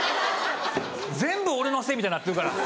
全部俺のせいみたいになってるから。